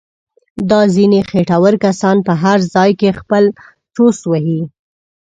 دا ځنیې خېټور کسان په هر ځای کې خپل څوس وهي.